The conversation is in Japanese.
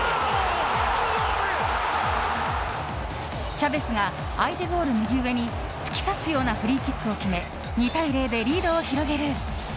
チャヴェスが相手ゴール右上に突き刺すようなフリーキックを決め２対０でリードを広げる。